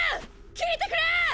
聞いてくれ！！